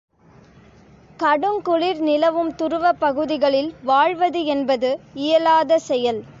கடுங்குளிர் நிலவும் துருவப் பகுதிகளில் வாழ்வது என்பது இயலாத செயல்.